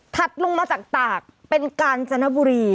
ถัดลงมาจากตากเป็นกาญห์จระนาบุรี